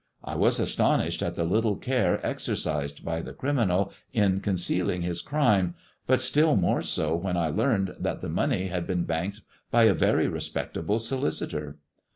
I was astonished at the little care exercised by the criminal in concealing his crime, but still more so when I learned that the money had been banked by a very respect able solicitor.